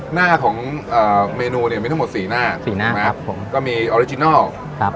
หน้าของเอ่อเมนูเนี่ยมีทั้งหมดสี่หน้าสี่หน้านะครับผมก็มีออริจินัลครับ